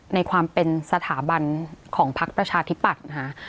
ในความเป็นสถาบันของพักประชาธิปัตย์นะคะ